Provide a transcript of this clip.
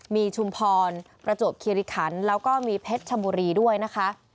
มีชุมพรประจวบคิริขันแล้วก็มีเพชรชบุรีด้วยนะคะ